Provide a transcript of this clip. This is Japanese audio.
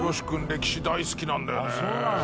歴史大好きなんだよね」